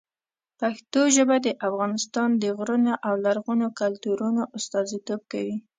پښتو ژبه د افغانستان د غرونو او لرغونو کلتورونو استازیتوب کوي.